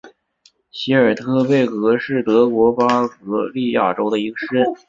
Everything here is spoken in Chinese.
席尔特贝格是德国巴伐利亚州的一个市镇。